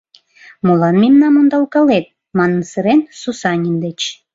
«Молан мемнам ондалкалет?» Манын сырен, Сусанин деч